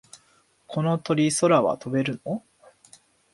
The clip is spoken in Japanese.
この鳥、空は飛べるの？